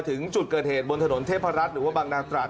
ถึงจุดเกิดเหตุบนถนนเทพรัฐหรือว่าบางนาตราด